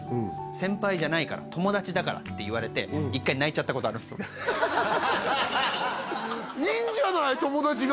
「先輩じゃないから友達だから」って言われて１回泣いちゃったことあるんです俺いんじゃない友達が！